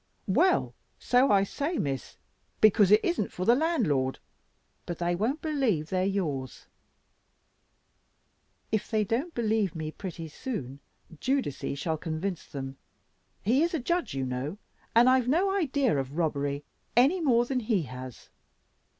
"Well, so I say, Miss; because it isn't for the landlord; but they won't believe they are yours." "If they don't believe me pretty soon, Giudice shall convince them. He is a judge you know, and I've no idea of robbery any more than he has.